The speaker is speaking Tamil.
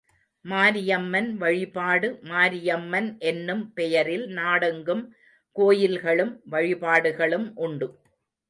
மாரியம்மன் வழிபாடு மாரியம்மன் என்னும் பெயரில் நாடெங்கும் கோயில்களும், வழிபாடுகளும் உண்டு.